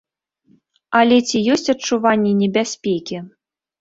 Але ці ёсць адчуванне небяспекі?